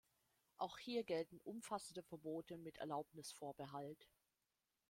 Auch hier gelten umfassende Verbote mit Erlaubnisvorbehalt.